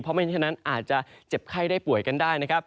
เพราะไม่อย่างนั้นอาจจะเจ็บไข้ได้ป่วยกันได้